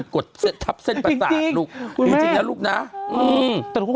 คุณตายแล้ว